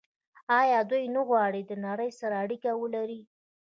آیا دوی نه غواړي له نړۍ سره اړیکه ولري؟